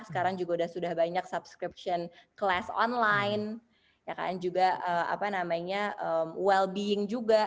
sekarang juga sudah banyak subscription kelas online juga apa namanya well being juga